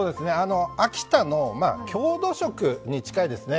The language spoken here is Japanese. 秋田の郷土食に近いですね。